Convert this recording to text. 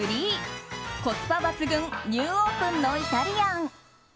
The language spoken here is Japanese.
３コスパ抜群ニューオープンのイタリアン。